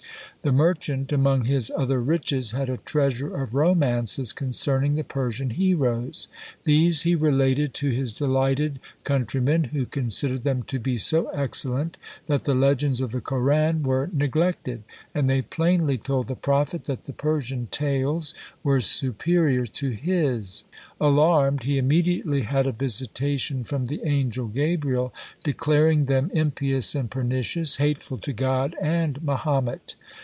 The merchant, among his other riches, had a treasure of romances concerning the Persian heroes. These he related to his delighted countrymen, who considered them to be so excellent, that the legends of the Koran were neglected, and they plainly told the prophet that the "Persian Tales" were superior to his. Alarmed, he immediately had a visitation from the angel Gabriel, declaring them impious and pernicious, hateful to God and Mahomet.